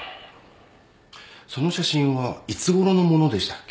その写真はいつごろのものでしたっけ？